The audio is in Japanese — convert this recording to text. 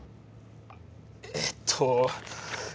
えっと。